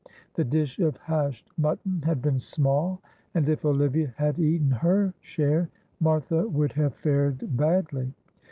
The dish of hashed mutton had been small, and if Olivia had eaten her share, Martha would have fared badly.